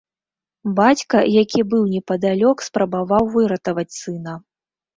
Бацька, які быў непадалёк, спрабаваў выратаваць сына.